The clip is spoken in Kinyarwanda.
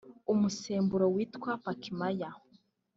umusemburo witwa Pakmaya